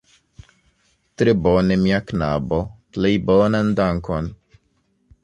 Tre bone, mia knabo, plej bonan dankon!